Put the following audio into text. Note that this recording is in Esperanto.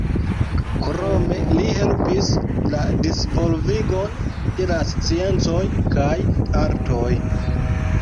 Krome li helpis la disvolvigon de la sciencoj kaj artoj.